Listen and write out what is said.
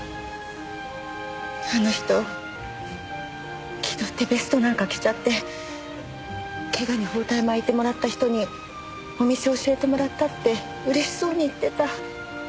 あの人気取ってベストなんか着ちゃって「怪我に包帯巻いてもらった人にお店教えてもらった」って嬉しそうに言ってた。